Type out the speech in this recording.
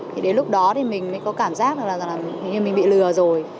thì đến lúc đó thì mình mới có cảm giác được là hình như mình bị lừa rồi